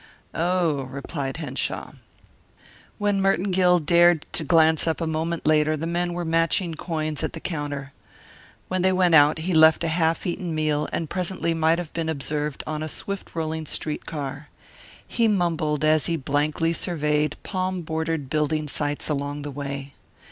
"Oh!" replied Henshaw. When Merton Gill dared to glance up a moment later the men were matching coins at the counter. When they went out he left a half eaten meal and presently might have been observed on a swift rolling street car. He mumbled as he blankly surveyed palm bordered building sites along the way.